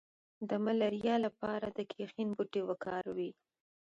د ملاریا لپاره د کینین بوټی وکاروئ